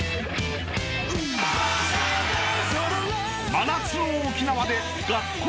［真夏の沖縄で学校